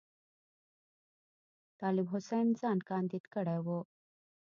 طالب حسین ځان کاندید کړی وو.